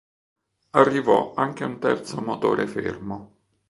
Arrivò anche un terzo motore fermo.